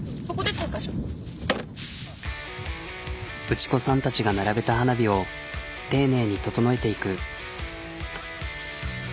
打ち子さんたちが並べた花火を丁寧に整えていく。